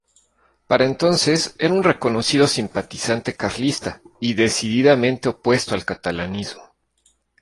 Para entonces era un reconocido simpatizante carlista y decididamente opuesto al catalanismo.